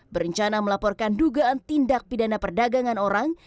berencana melaporkan dugaan tindak pidana perdagangan orang